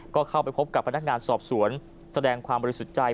ก็เข้าไปพบกับพนักงานสอบสวนแสดงความบริสุทธิ์ใจ